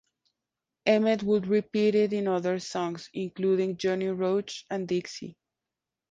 Emmett would repeat it in other songs, including "Johnny Roach" and "Dixie".